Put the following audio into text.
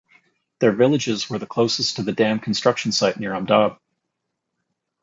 Their villages were the closest to the dam construction site near Hamdab.